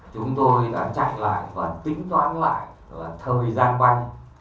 chúng tôi đã chạy lại và tính toán lại thời gian bay